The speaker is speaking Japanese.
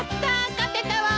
勝てたわ！